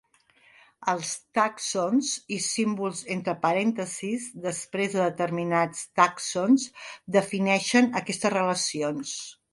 Els tàxons i símbols entre parèntesis després de determinats tàxons defineixen aquestes relacions.